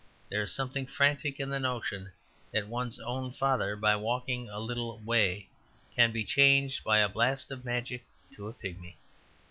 There is something frantic in the notion that one's own father by walking a little way can be changed by a blast of magic to a pigmy.